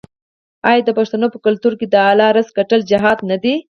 آیا د پښتنو په کلتور کې د حلال رزق ګټل جهاد نه دی؟